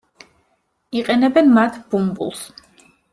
იყენებენ მათ ბუმბულს.